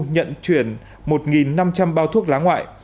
nhận chuyển một năm trăm linh bao thuốc lá ngoại